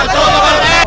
tuh tuh pak rt